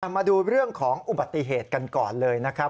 มาดูเรื่องของอุบัติเหตุกันก่อนเลยนะครับ